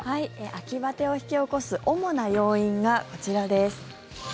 秋バテを引き起こす主な要因がこちらです。